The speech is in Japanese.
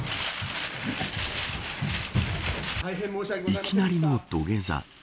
いきなりの土下座。